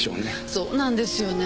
そうなんですよね。